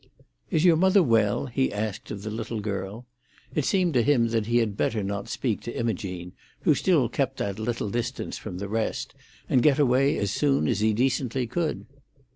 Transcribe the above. "Is your mother well?" he asked of the little girl. It seemed to him that he had better not speak to Imogene, who still kept that little distance from the rest, and get away as soon as he decently could.